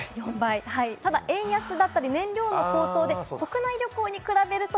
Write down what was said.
ただ円安だったり、燃料の高騰で国内旅行に比べると、